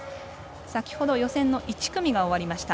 先ほど予選の１組が終わりました。